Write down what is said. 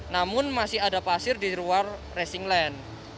namun masih ada pasir di luar racing land